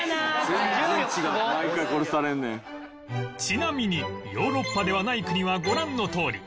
ちなみにヨーロッパではない国はご覧のとおり